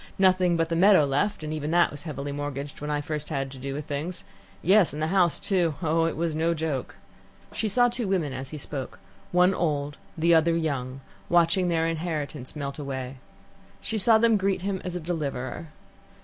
Nothing but the meadow left, and even that was heavily mortgaged when I first had to do with things yes, and the house too. Oh, it was no joke." She saw two women as he spoke, one old, the other young, watching their inheritance melt away. She saw them greet him as a deliverer.